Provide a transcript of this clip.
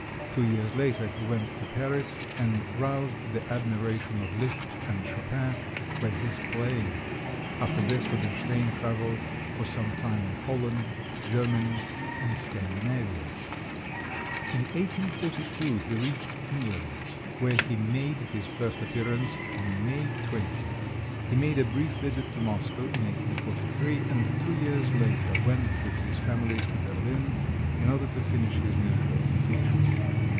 Two years later he went to Paris, and roused the admiration of Liszt and Chopin by his playing. After this Rubinstein traveled for some time in Holland, Germany and Scandinavia. In 1842 he reached England, where he made his first appearance, on May 20th. He made a brief visit to Moscow in 1843, and two years later went with his family to Berlin, in order to finish his musical education.